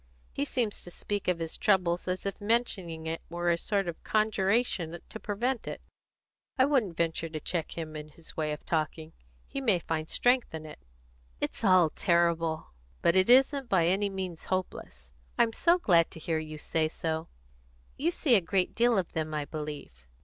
He seems to speak of his trouble as if mentioning it were a sort of conjuration to prevent it. I wouldn't venture to check him in his way of talking. He may find strength in it." "It's all terrible!" "But it isn't by any means hopeless." "I'm so glad to hear you say so. You see a great deal of them, I believe?"